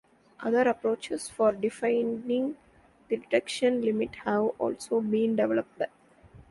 Other approaches for defining the detection limit have also been developed.